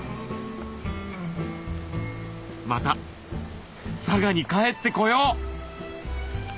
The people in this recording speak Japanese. また佐賀に帰ってこよう！